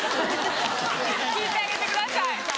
聞いてあげてください。